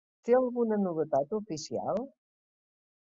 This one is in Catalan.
Té alguna novetat, oficial?